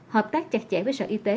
hợp tác chặt chẽ với sở y tế